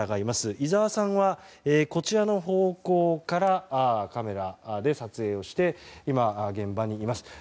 井澤さんはこちらの方向からカメラで撮影をして今、現場にいます。